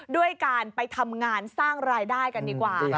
ด้วยการไปทำงานสร้างรายได้กันดีกว่า